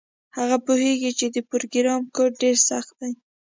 هغه پوهیږي چې د پروګرام کوډ ډیر سخت وي